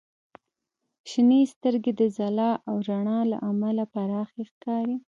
• شنې سترګې د ځلا او رڼا له امله پراخې ښکاري.